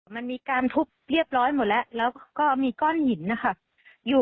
มันมีการทุบเรียบร้อยหมดแล้วแล้วก็มีก้อนหินนะคะ